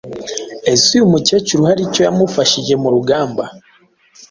Ese uyu mukecuru hari icyo yamufashije mu rugamba